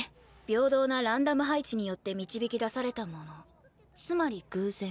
平等なランダム配置によって導き出されたものつまり偶然。